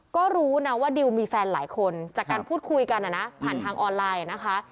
ก็รู้นะว่าดิวมีแฟนหลายคนจากการพูดคุยกันนะผ่านทางออนไลน์นะคะ